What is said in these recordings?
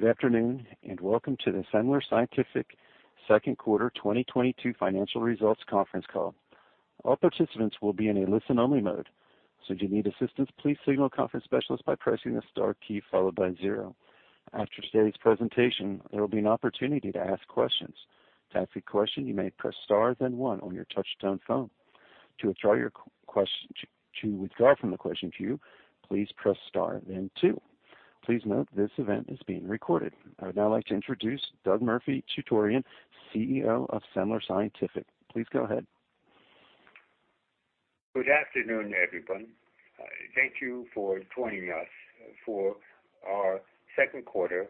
Good afternoon, and welcome to the Semler Scientific second quarter 2022 financial results conference call. All participants will be in a listen-only mode, so if you need assistance, please signal a conference specialist by pressing the star key followed by zero. After today's presentation, there will be an opportunity to ask questions. To ask a question, you may press Star then one on your touchtone phone. To withdraw from the question queue, please press Star then two. Please note this event is being recorded. I would now like to introduce Doug Murphy-Chutorian, CEO of Semler Scientific. Please go ahead. Good afternoon, everyone. Thank you for joining us for our second quarter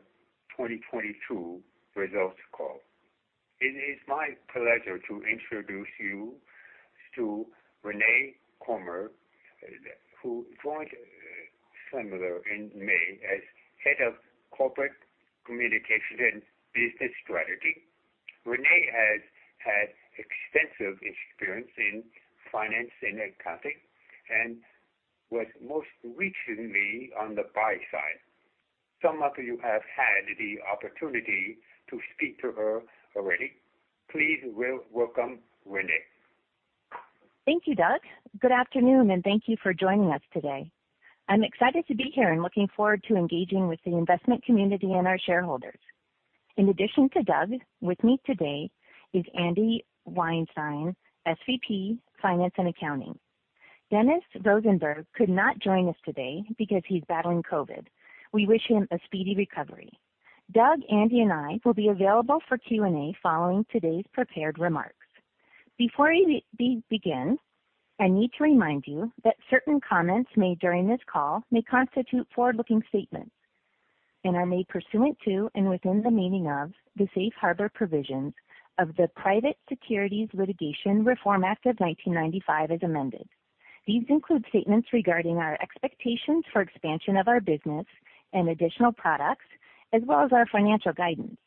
2022 results call. It is my pleasure to introduce you to Renae Cormier, who joined Semler in May as Head of Corporate Communication and Business Strategy. Renae has had extensive experience in finance and accounting and was most recently on the buy side. Some of you have had the opportunity to speak to her already. Please welcome Renae. Thank you, Doug. Good afternoon, and thank you for joining us today. I'm excited to be here and looking forward to engaging with the investment community and our shareholders. In addition to Doug, with me today is Andrew Weinstein, SVP, Finance and Accounting. Dennis Rosenberg could not join us today because he's battling COVID. We wish him a speedy recovery. Doug, Andrew, and I will be available for Q&A following today's prepared remarks. Before we begin, I need to remind you that certain comments made during this call may constitute forward-looking statements and are made pursuant to and within the meaning of the Safe Harbor provisions of the Private Securities Litigation Reform Act of 1995 as amended. These include statements regarding our expectations for expansion of our business and additional products as well as our financial guidance.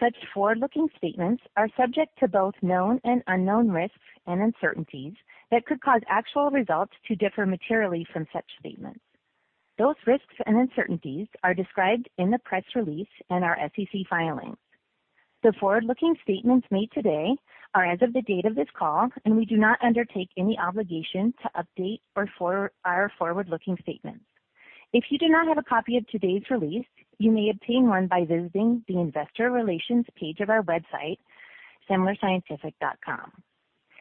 Such forward-looking statements are subject to both known and unknown risks and uncertainties that could cause actual results to differ materially from such statements. Those risks and uncertainties are described in the press release and our SEC filings. The forward-looking statements made today are as of the date of this call, and we do not undertake any obligation to update our forward-looking statements. If you do not have a copy of today's release, you may obtain one by visiting the investor relations page of our website, semlerscientific.com.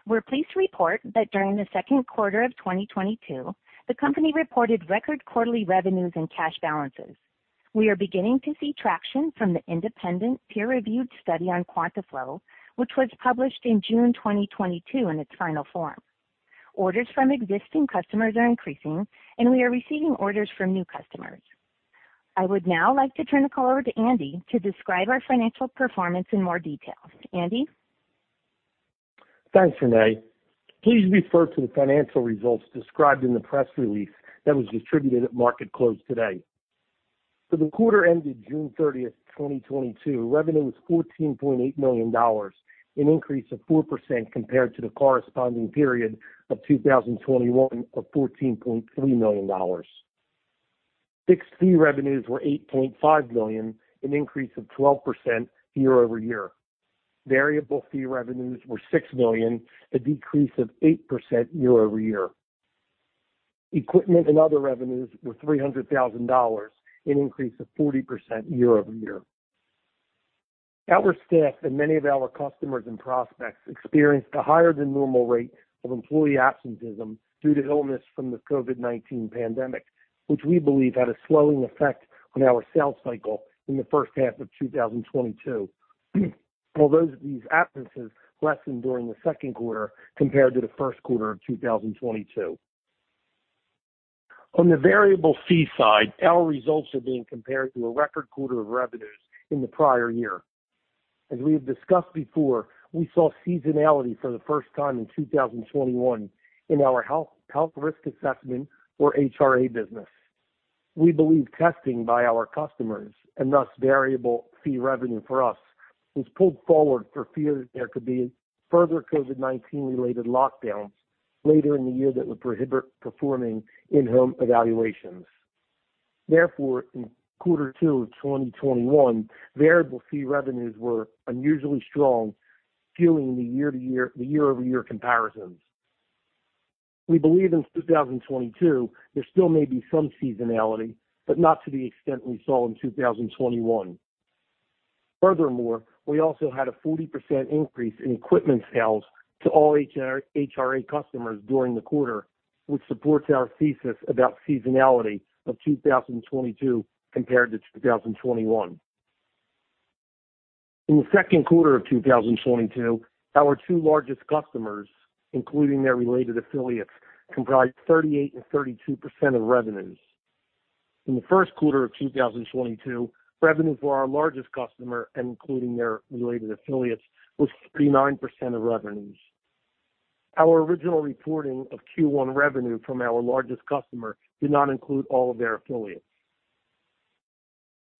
We're pleased to report that during the second quarter of 2022, the company reported record quarterly revenues and cash balances. We are beginning to see traction from the independent peer-reviewed study on QuantaFlo, which was published in June 2022 in its final form. Orders from existing customers are increasing, and we are receiving orders from new customers. I would now like to turn the call over to Andy to describe our financial performance in more detail. Andy? Thanks, Renae. Please refer to the financial results described in the press release that was distributed at market close today. For the quarter ended June 30, 2022, revenue was $14.8 million, an increase of 4% compared to the corresponding period of 2021 of $14.3 million. Fixed fee revenues were $8.5 million, an increase of 12% year-over-year. Variable fee revenues were $6 million, a decrease of 8% year-over-year. Equipment and other revenues were $300,000, an increase of 40% year-over-year. Our staff and many of our customers and prospects experienced a higher than normal rate of employee absenteeism due to illness from the COVID-19 pandemic, which we believe had a slowing effect on our sales cycle in the first half of 2022. Although these absences lessened during the second quarter compared to the first quarter of 2022. On the variable fee side, our results are being compared to a record quarter of revenues in the prior year. As we have discussed before, we saw seasonality for the first time in 2021 in our Health Risk Assessment or HRA business. We believe testing by our customers, and thus variable fee revenue for us, was pulled forward for fear that there could be further COVID-19 related lockdowns later in the year that would prohibit performing in-home evaluations. Therefore, in quarter two of 2021, variable fee revenues were unusually strong, fueling the year over year comparisons. We believe in 2022 there still may be some seasonality, but not to the extent we saw in 2021. Furthermore, we also had a 40% increase in equipment sales to all HRA customers during the quarter, which supports our thesis about seasonality of 2022 compared to 2021. In the second quarter of 2022, our two largest customers, including their related affiliates, comprised 38% and 32% of revenues. In the first quarter of 2022, revenue for our largest customer, including their related affiliates, was 59% of revenues. Our original reporting of Q1 revenue from our largest customer did not include all of their affiliates.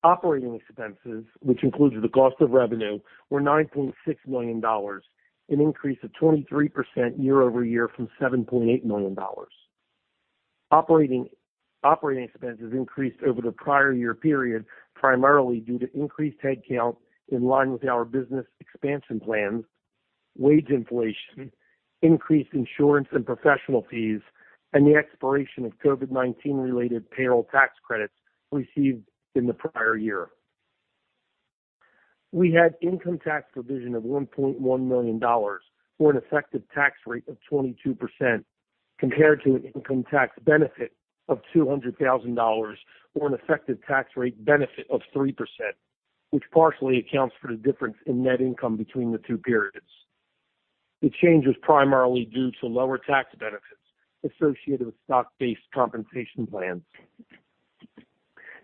Operating expenses, which includes the cost of revenue, were $9.6 million, an increase of 23% year-over-year from $7.8 million. Operating expenses increased over the prior year period, primarily due to increased headcount in line with our business expansion plans, wage inflation, increased insurance and professional fees, and the expiration of COVID-19 related payroll tax credits received in the prior year. We had income tax provision of $1.1 million for an effective tax rate of 22%, compared to an income tax benefit of $200,000 or an effective tax rate benefit of 3%, which partially accounts for the difference in net income between the two periods. The change was primarily due to lower tax benefits associated with stock-based compensation plans.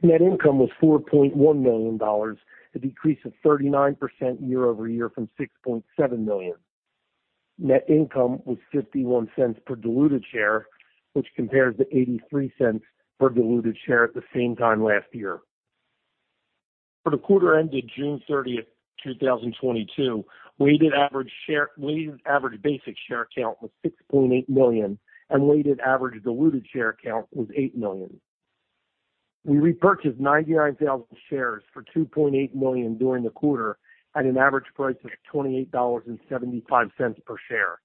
Net income was $4.1 million, a decrease of 39% year-over-year from $6.7 million. Net income was 51 cents per diluted share, which compares to 83 cents per diluted share at the same time last year. For the quarter ended June 30, 2022, weighted average basic share count was 6.8 million and weighted average diluted share count was 8 million. We repurchased 99,000 shares for $2.8 million during the quarter at an average price of $28.75 per share.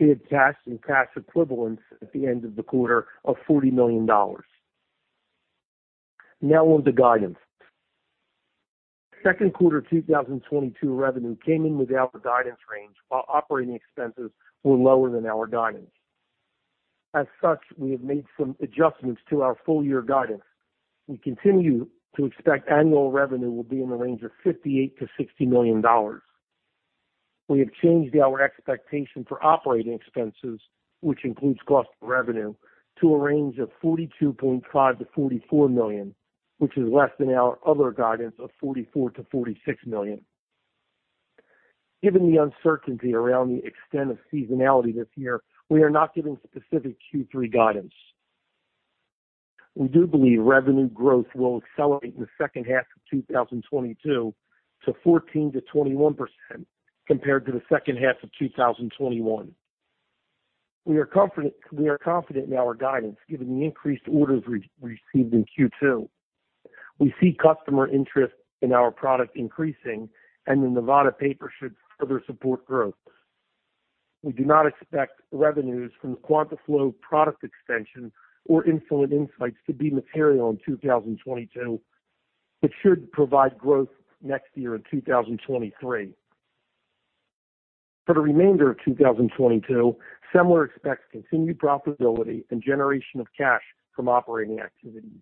We had cash and cash equivalents at the end of the quarter of $40 million. Now on to guidance. Second quarter 2022 revenue came in within the guidance range, while operating expenses were lower than our guidance. As such, we have made some adjustments to our full year guidance. We continue to expect annual revenue will be in the range of $58 million-$60 million. We have changed our expectation for operating expenses, which includes cost of revenue, to a range of $42.5 million-$44 million, which is less than our other guidance of $44 million-$46 million. Given the uncertainty around the extent of seasonality this year, we are not giving specific Q3 guidance. We do believe revenue growth will accelerate in the second half of 2022 to 14%-21% compared to the second half of 2021. We are confident in our guidance, given the increased orders received in Q2. We see customer interest in our product increasing and the Nevada paper should further support growth. We do not expect revenues from the QuantaFlo product extension or Insulin Insights to be material in 2022. It should provide growth next year in 2023. For the remainder of 2022, Semler expects continued profitability and generation of cash from operating activities.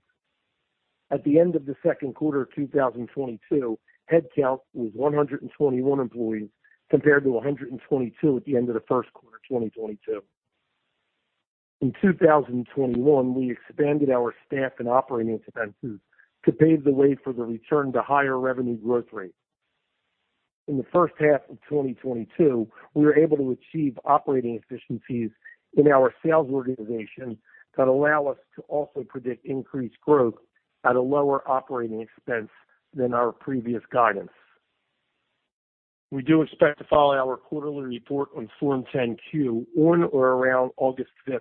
At the end of the second quarter of 2022, headcount was 121 employees, compared to 122 at the end of the first quarter of 2022. In 2021, we expanded our staff and operating expenses to pave the way for the return to higher revenue growth rates. In the first half of 2022, we were able to achieve operating efficiencies in our sales organization that allow us to also predict increased growth at a lower operating expense than our previous guidance. We do expect to file our quarterly report on Form 10-Q on or around August 5,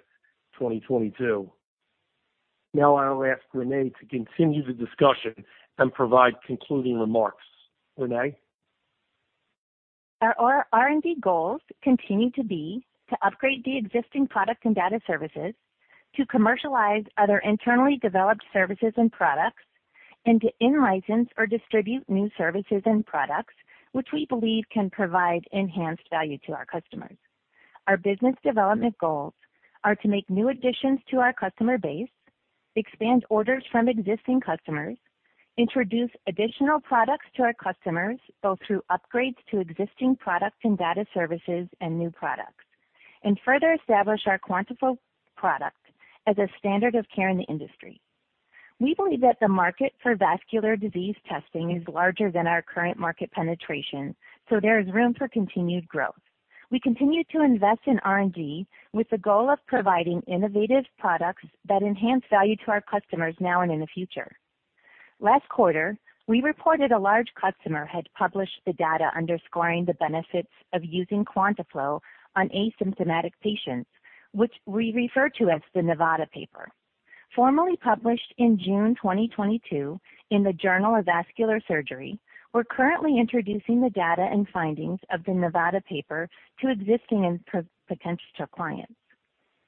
2022. Now I'll ask Renae to continue the discussion and provide concluding remarks. Renae. Our R&D goals continue to be to upgrade the existing product and data services, to commercialize other internally developed services and products, and to in-license or distribute new services and products which we believe can provide enhanced value to our customers. Our business development goals are to make new additions to our customer base, expand orders from existing customers, introduce additional products to our customers, both through upgrades to existing products and data services and new products, and further establish our QuantaFlo product as a standard of care in the industry. We believe that the market for vascular disease testing is larger than our current market penetration, so there is room for continued growth. We continue to invest in R&D with the goal of providing innovative products that enhance value to our customers now and in the future. Last quarter, we reported a large customer had published the data underscoring the benefits of using QuantaFlo on asymptomatic patients, which we refer to as the Nevada paper. Formally published in June 2022 in the Journal of Vascular Surgery, we're currently introducing the data and findings of the Nevada paper to existing and potential clients.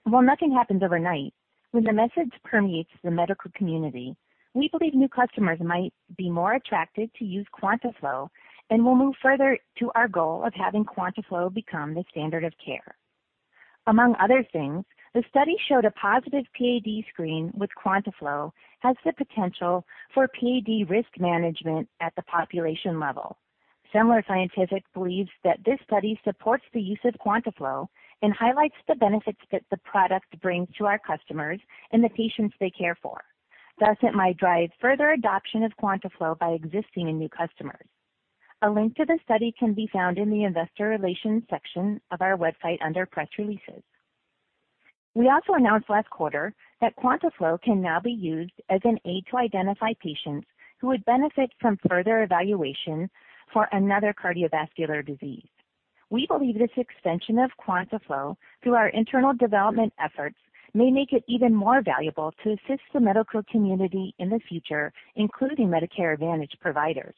While nothing happens overnight, when the message permeates the medical community, we believe new customers might be more attracted to use QuantaFlo, and we'll move further to our goal of having QuantaFlo become the standard of care. Among other things, the study showed a positive PAD screen with QuantaFlo has the potential for PAD risk management at the population level. Semler Scientific believes that this study supports the use of QuantaFlo and highlights the benefits that the product brings to our customers and the patients they care for. Thus, it might drive further adoption of QuantaFlo by existing and new customers. A link to the study can be found in the investor relations section of our website under Press Releases. We also announced last quarter that QuantaFlo can now be used as an aid to identify patients who would benefit from further evaluation for another cardiovascular disease. We believe this extension of QuantaFlo through our internal development efforts may make it even more valuable to assist the medical community in the future, including Medicare Advantage providers.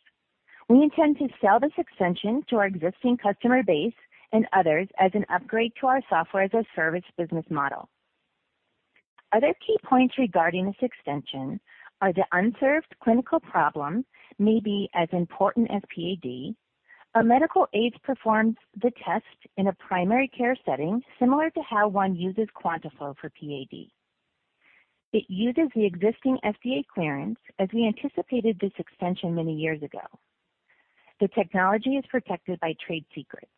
We intend to sell this extension to our existing customer base and others as an upgrade to our software-as-a-service business model. Other key points regarding this extension are the unserved clinical problem may be as important as PAD. A medical aid performs the test in a primary care setting, similar to how one uses QuantaFlo for PAD. It uses the existing FDA clearance as we anticipated this extension many years ago. The technology is protected by trade secrets.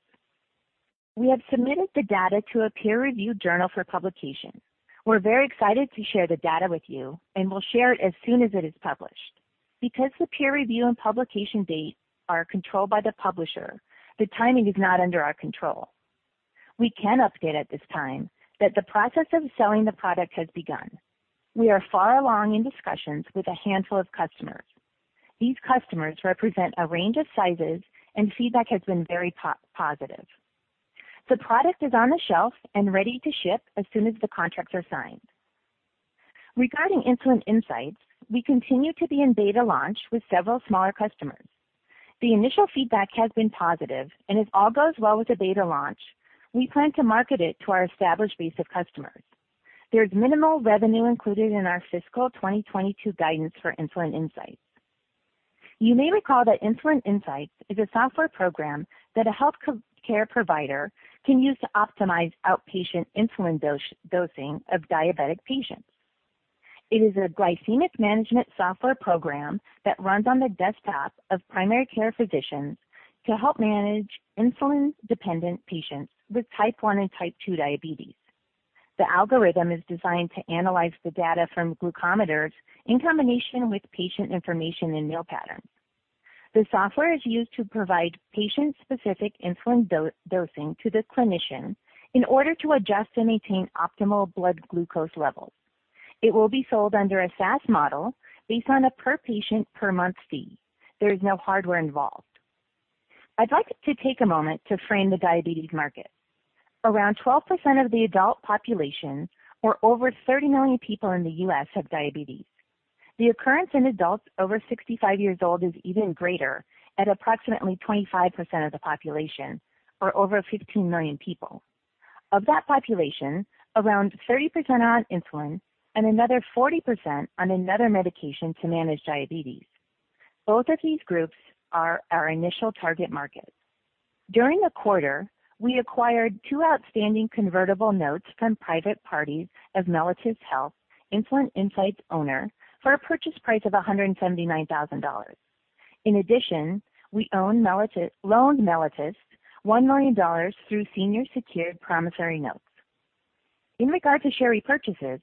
We have submitted the data to a peer-review journal for publication. We're very excited to share the data with you, and we'll share it as soon as it is published. Because the peer review and publication date are controlled by the publisher, the timing is not under our control. We can update at this time that the process of selling the product has begun. We are far along in discussions with a handful of customers. These customers represent a range of sizes, and feedback has been very positive. The product is on the shelf and ready to ship as soon as the contracts are signed. Regarding Insulin Insights, we continue to be in beta launch with several smaller customers. The initial feedback has been positive, and if all goes well with the beta launch, we plan to market it to our established base of customers. There's minimal revenue included in our fiscal 2022 guidance for Insulin Insights. You may recall that Insulin Insights is a software program that a health care provider can use to optimize outpatient insulin dosing of diabetic patients. It is a glycemic management software program that runs on the desktop of primary care physicians to help manage insulin-dependent patients with type one and type two diabetes. The algorithm is designed to analyze the data from glucometers in combination with patient information and meal patterns. The software is used to provide patient-specific insulin dosing to the clinician in order to adjust and maintain optimal blood glucose levels. It will be sold under a SaaS model based on a per-patient per-month fee. There is no hardware involved. I'd like to take a moment to frame the diabetes market. Around 12% of the adult population or over 30 million people in the US have diabetes. The occurrence in adults over 65 years old is even greater at approximately 25% of the population or over 15 million people. Of that population, around 30% are on insulin and another 40% on another medication to manage diabetes. Both of these groups are our initial target market. During the quarter, we acquired two outstanding convertible notes from private parties of Mellitus Health, Insulin Insights owner, for a purchase price of $179,000. In addition, we loaned Mellitus one million dollars through senior secured promissory notes. In regard to share repurchases,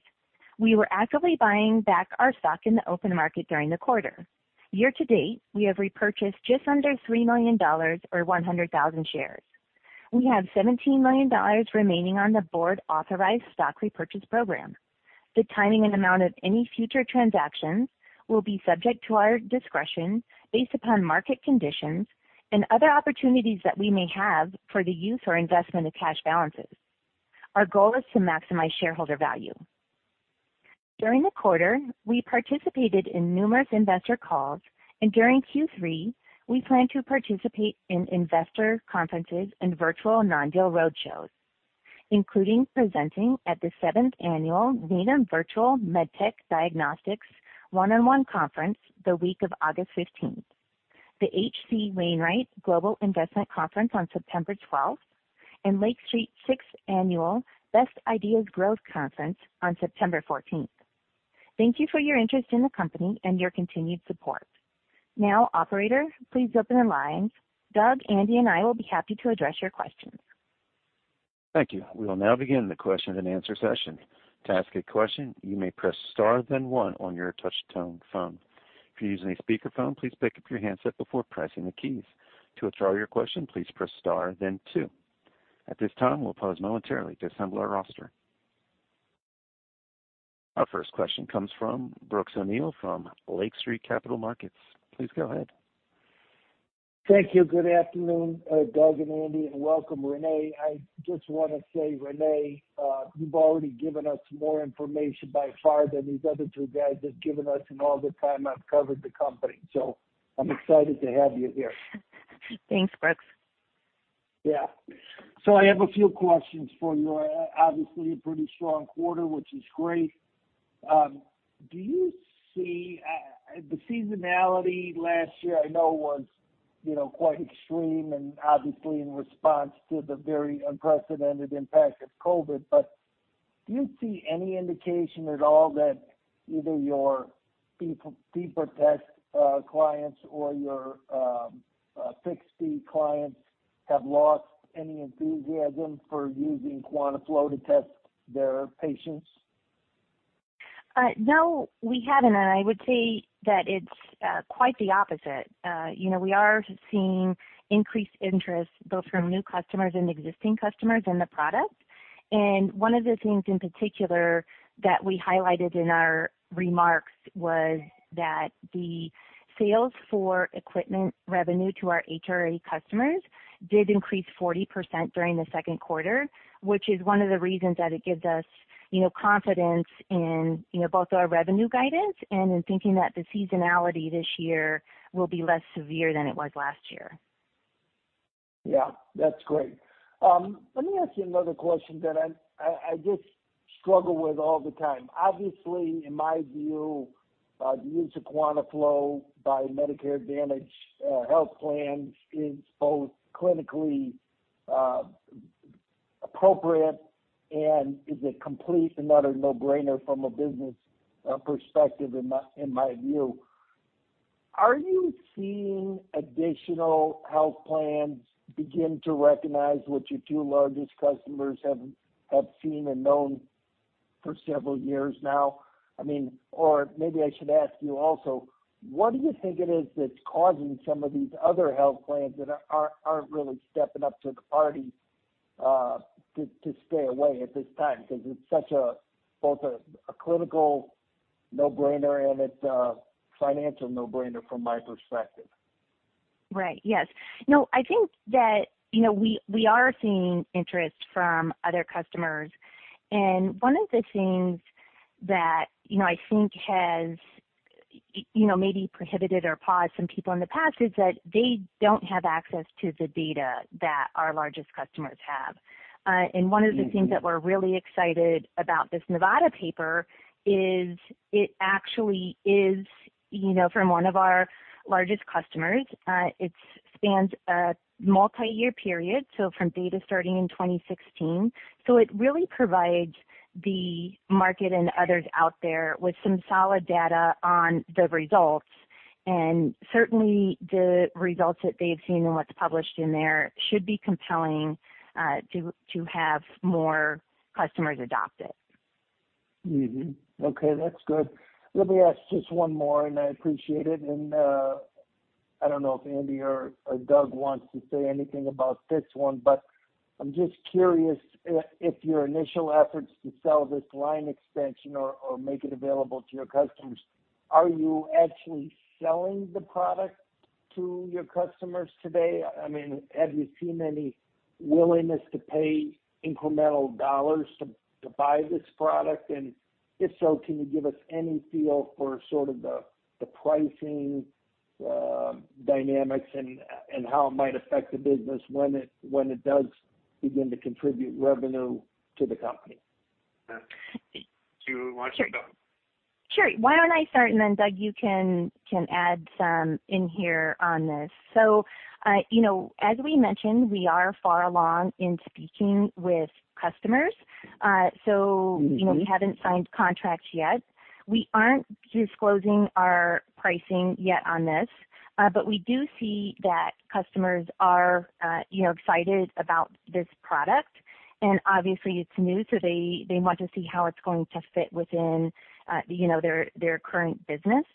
we were actively buying back our stock in the open market during the quarter. Year to date, we have repurchased just under $3 million or 100,000 shares. We have $17 million remaining on the board-authorized stock repurchase program. The timing and amount of any future transactions will be subject to our discretion based upon market conditions and other opportunities that we may have for the use or investment of cash balances. Our goal is to maximize shareholder value. During the quarter, we participated in numerous investor calls, and during Q3, we plan to participate in investor conferences and virtual non-deal roadshows, including presenting at the seventh annual Needham Virtual Medtech & Diagnostics 1x1 Conference, the week of August fifteenth, the H.C. Wainwright Global Investment Conference on September twelfth, and Lake Street sixth Annual Best Ideas Growth Conference on September fourteenth. Thank you for your interest in the company and your continued support. Now, operator, please open the lines. Doug, Andy, and I will be happy to address your questions. Thank you. We will now begin the question-and-answer session. To ask a question, you may press star then one on your touch tone phone. If you're using a speakerphone, please pick up your handset before pressing the keys. To withdraw your question, please press star then two. At this time, we'll pause momentarily to assemble our roster. Our first question comes from Brooks O'Neil from Lake Street Capital Markets. Please go ahead. Thank you. Good afternoon, Doug and Andy, and welcome, Renae. I just wanna say, Renae, you've already given us more information by far than these other two guys have given us in all the time I've covered the company. I'm excited to have you here. Thanks, Brooks. Yeah. I have a few questions for you. Obviously, a pretty strong quarter, which is great. Do you see the seasonality last year I know was, you know, quite extreme and obviously in response to the very unprecedented impact of COVID. Do you see any indication at all that either your BPR Test clients or your Pixie clients have lost any enthusiasm for using QuantaFlo to test their patients? No, we haven't. I would say that it's quite the opposite. You know, we are seeing increased interest both from new customers and existing customers in the product. One of the things in particular that we highlighted in our remarks was that the sales for equipment revenue to our HRA customers did increase 40% during the second quarter, which is one of the reasons that it gives us, you know, confidence in, you know, both our revenue guidance and in thinking that the seasonality this year will be less severe than it was last year. Yeah, that's great. Let me ask you another question that I just struggle with all the time. Obviously, in my view, the use of QuantaFlo by Medicare Advantage health plans is both clinically appropriate and is a complete and utter no-brainer from a business perspective in my view. Are you seeing additional health plans begin to recognize what your two largest customers have seen and known for several years now? I mean, or maybe I should ask you also, what do you think it is that's causing some of these other health plans that aren't really stepping up to the party to stay away at this time? Because it's such a both a clinical no-brainer and it's a financial no-brainer from my perspective. Right. Yes. No, I think that, you know, we are seeing interest from other customers. One of the things that, you know, I think has, you know, maybe prohibited or paused some people in the past is that they don't have access to the data that our largest customers have. One of the things that we're really excited about this Nevada paper is it actually is, you know, from one of our largest customers, it spans a multi-year period, so from data starting in 2016. It really provides the market and others out there with some solid data on the results. Certainly, the results that they've seen and what's published in there should be compelling, to have more customers adopt it. Mm-hmm. Okay, that's good. Let me ask just one more, and I appreciate it. I don't know if Andy or Doug wants to say anything about this one, but I'm just curious if your initial efforts to sell this line extension or make it available to your customers, are you actually selling the product to your customers today? I mean, have you seen any willingness to pay incremental dollars to buy this product? And if so, can you give us any feel for sort of the pricing dynamics and how it might affect the business when it does begin to contribute revenue to the company? Do you want to go? Sure. Why don't I start, and then Doug, you can add some in here on this. You know, as we mentioned, we are far along in speaking with customers. Mm-hmm You know, we haven't signed contracts yet. We aren't disclosing our pricing yet on this. But we do see that customers are, you know, excited about this product. Obviously, it's new, so they want to see how it's going to fit within, you know, their current business.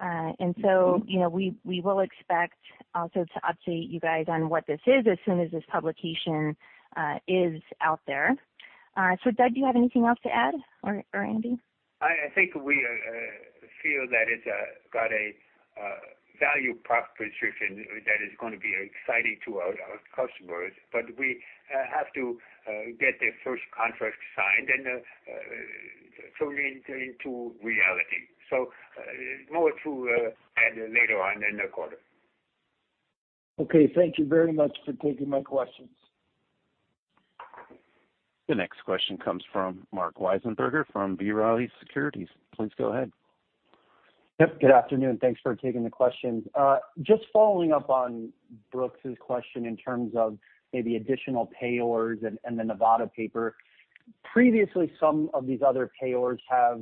Mm-hmm You know, we will expect also to update you guys on what this is as soon as this publication is out there. Doug, do you have anything else to add or Andy? I think we feel that it's got a value proposition that is gonna be exciting to our customers. We have to get the first contract signed and turn it into reality. More to add later on in the quarter. Okay, thank you very much for taking my questions. The next question comes from Marc Wiesenberger from B. Riley Securities. Please go ahead. Yep, good afternoon. Thanks for taking the questions. Just following up on Brooks O'Neil's question in terms of maybe additional payers and the Nevada paper. Previously, some of these other payers have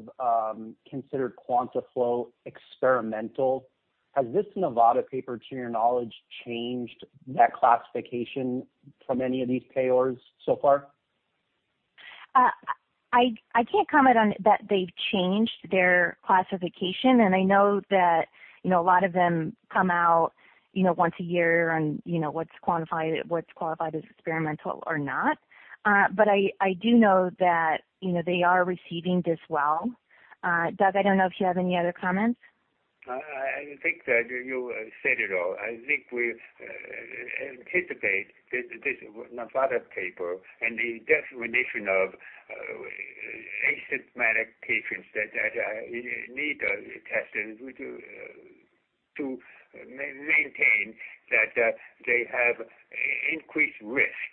considered QuantaFlo experimental. Has this Nevada paper, to your knowledge, changed that classification from any of these payers so far? I can't comment on that they've changed their classification, and I know that, you know, a lot of them come out, you know, once a year on, you know, what's qualified as experimental or not. I do know that, you know, they are receiving this well. Doug, I don't know if you have any other comments. I think that you said it all. I think we anticipate this Nevada paper and the definition of asymptomatic patients that need testing to maintain that they have increased risk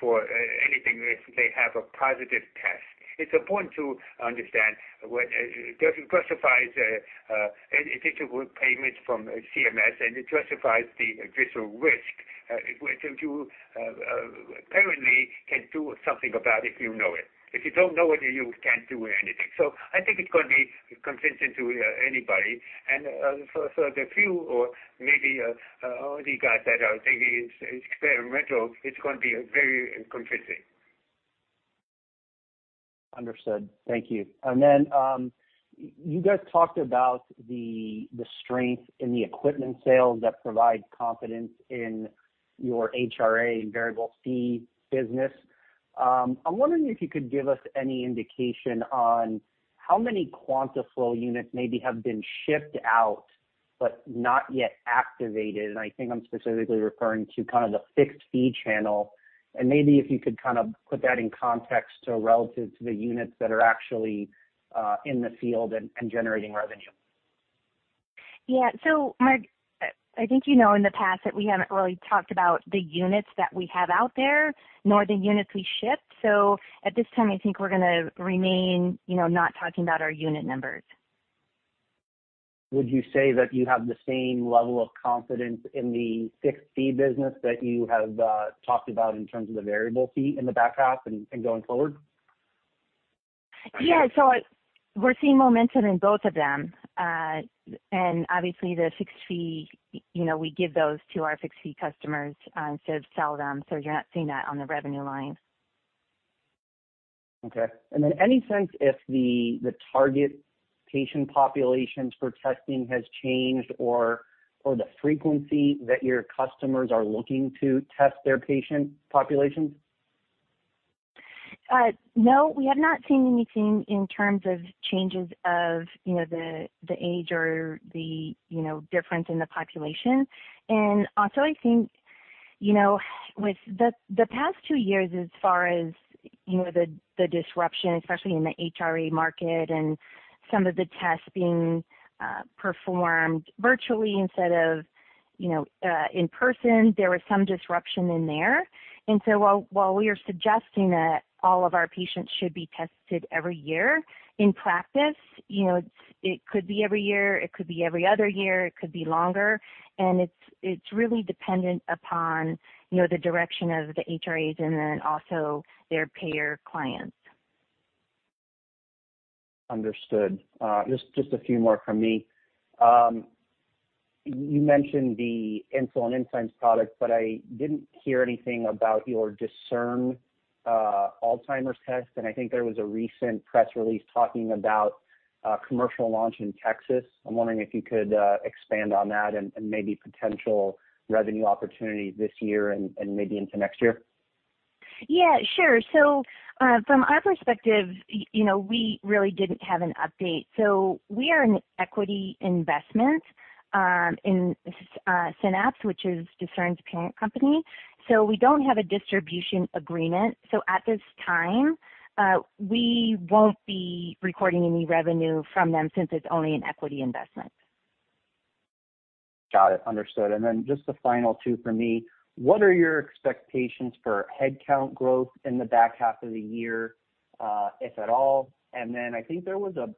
for anything if they have a positive test. It's important to understand what justifies additional payments from CMS, and it justifies the additional risk which you apparently can do something about if you know it. If you don't know it, you can't do anything. I think it's gonna be convincing to anybody. For the few or maybe OD guys that are thinking it's experimental, it's gonna be very convincing. Understood. Thank you. You guys talked about the strength in the equipment sales that provide confidence in your HRA and variable fee business. I'm wondering if you could give us any indication on how many QuantaFlo units maybe have been shipped out but not yet activated, and I think I'm specifically referring to kind of the fixed fee channel. Maybe if you could kind of put that in context relative to the units that are actually in the field and generating revenue. Yeah. Mark, I think you know in the past that we haven't really talked about the units that we have out there, nor the units we ship. At this time, I think we're gonna remain, you know, not talking about our unit numbers. Would you say that you have the same level of confidence in the fixed fee business that you have talked about in terms of the variable fee in the back half and going forward? Yeah. We're seeing momentum in both of them. Obviously the fixed fee, you know, we give those to our fixed fee customers, instead of sell them, so you're not seeing that on the revenue line. Okay. Then any sense if the target patient populations for testing has changed or the frequency that your customers are looking to test their patient populations? No. We have not seen anything in terms of changes of, you know, the age or you know difference in the population. Also, I think, you know, with the past two years as far as, you know, the disruption, especially in the HRA market and some of the tests being performed virtually instead of, you know, in person, there was some disruption in there. While we are suggesting that all of our patients should be tested every year, in practice, you know, it could be every year, it could be every other year, it could be longer, and it's really dependent upon, you know, the direction of the HRAs and then also their payer clients. Understood. Just a few more from me. You mentioned the Insulin Insights product, but I didn't hear anything about your Discern Alzheimer's test. I think there was a recent press release talking about a commercial launch in Texas. I'm wondering if you could expand on that and maybe potential revenue opportunity this year and maybe into next year. Yeah, sure. From our perspective, you know, we really didn't have an update. We are an equity investment in Synapse, which is Discern's parent company. We don't have a distribution agreement. At this time, we won't be recording any revenue from them since it's only an equity investment. Got it. Understood. Then just the final two from me, what are your expectations for headcount growth in the back half of the year, if at all? Then I think there was a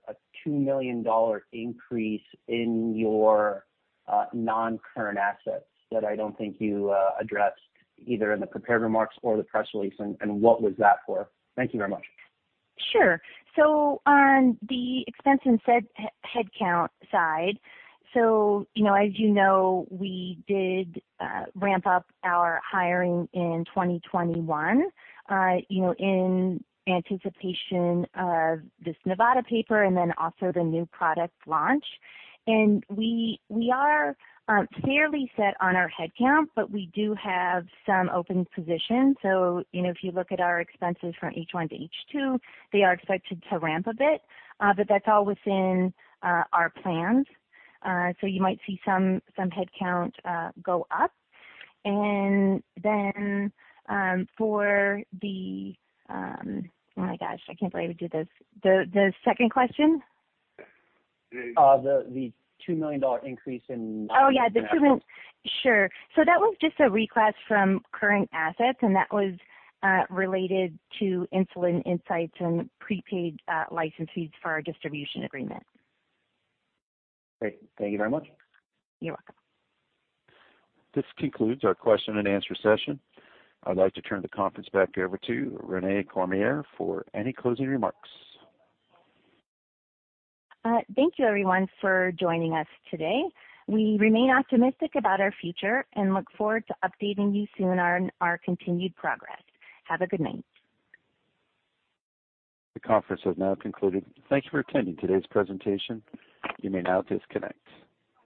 $2 million increase in your non-current assets that I don't think you addressed either in the prepared remarks or the press release, and what was that for? Thank you very much. Sure. On the expense and headcount side, you know, as you know, we did ramp up our hiring in 2021, you know, in anticipation of this Nevada paper and then also the new product launch. We are fairly set on our headcount, but we do have some open positions. You know, if you look at our expenses from H1 to H2, they are expected to ramp a bit, but that's all within our plans. You might see some headcount go up. For the... Oh my gosh, I can't believe we did this. The second question? The $2 million increase in- Oh, yeah, the $2 million. Sure. That was just a request from current assets, and that was related to Insulin Insights and prepaid license fees for our distribution agreement. Great. Thank you very much. You're welcome. This concludes our question and answer session. I'd like to turn the conference back over to Renae Cormier for any closing remarks. Thank you everyone for joining us today. We remain optimistic about our future and look forward to updating you soon on our continued progress. Have a good night. The conference has now concluded. Thank you for attending today's presentation. You may now disconnect.